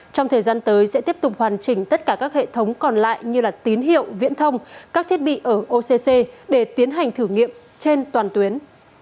trong thời gian tới sẽ tiếp tục hoàn chỉnh tất cả các hệ thống còn lại như tín hiệu viễn thông các thiết bị ở occ để tiến hành thử nghiệm trên toàn tuyến